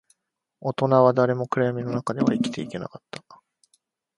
大人は誰も暗闇の中では生きていけなかった